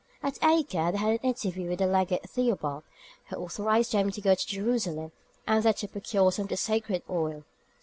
At Acre they had an interview with the legate Theobald, who authorized them to go to Jerusalem and there to procure some of the sacred oil.